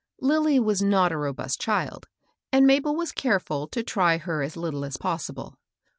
Lilly was not a robust child, and Mabel was careful to try her as httle as possible.